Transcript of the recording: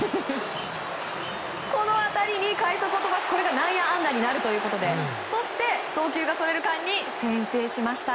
この当たりに快足を飛ばしこれが内野安打になるということで送球がそれる間に先制しました。